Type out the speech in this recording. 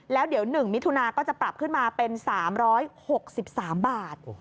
แล้วเดี๋ยว๑มิถุนาก็จะปรับขึ้นมาเป็น๓๖๓บาท